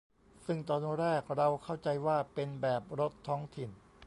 ซึ่งตอนแรกเราเข้าใจว่าเป็นแบบรถท้องถิ่น